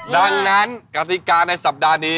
ดังนั้นกติกาในสัปดาห์นี้